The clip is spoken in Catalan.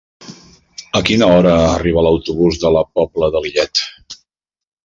A quina hora arriba l'autobús de la Pobla de Lillet?